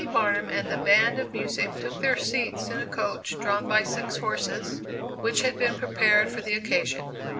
BARNUM and the band of music took their seats in a coach drawn by six horses, which had been prepared for the occasion.